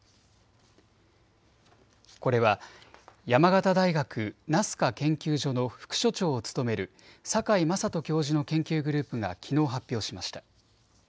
これは山形大学ナスカ研究所の副所長を務める坂井正人教授の研究グループがきのう発表しました。